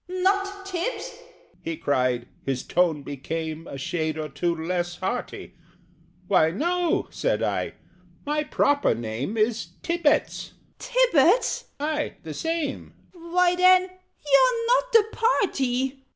"Not Tibbs!" he cried his tone became A shade or two less hearty "Why, no," said I. "My proper name Is Tibbets " "Tibbets?" "Aye, the same." "Why, then YOU'RE NOT THE PARTY!"